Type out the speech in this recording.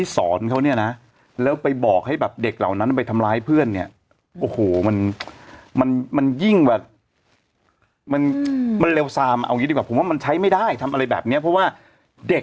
สามเอาไห้ดีกว่าความว่ามันใช้ไม่ได้ทำอะไรแบบเนี้ยเพราะว่าเด็ก